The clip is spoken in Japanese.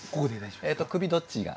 首どっちが？